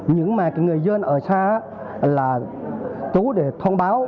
nhưng mà người dân ở xa là chú để thông báo